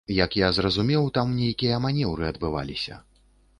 Як я зразумеў, там нейкія манеўры адбываліся.